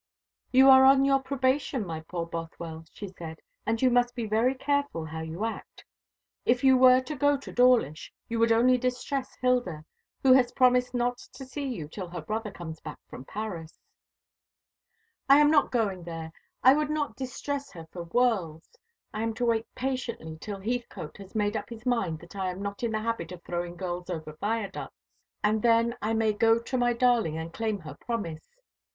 "You are on your probation, my poor Bothwell," she said, "and you must be very careful how you act. If you were to go to Dawlish you would only distress Hilda, who has promised not to see you till her brother comes back from Paris." "I am not going there. I would not distress her for worlds. I am to wait patiently till Heathcote has made up his mind that I am not in the habit of throwing girls over viaducts; and then I may go to my darling and claim her promise.